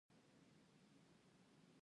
ژبه د ولس ږغ دی.